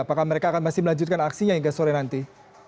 apakah mereka akan masih melanjutkan aksinya hingga sore nanti